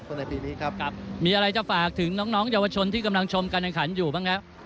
ในปีนี้ครับมีอะไรจะฝากถึงน้องเยาวชนที่กำลังชมการแข่งขันอยู่บ้างครับ